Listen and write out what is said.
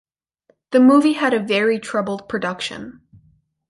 The movie had a very troubled production.